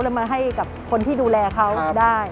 แล้วมาให้กับคนที่ดูแลเขาได้